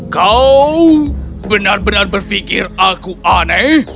kau benar benar berpikir aku aneh